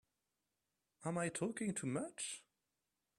Am I talking too much?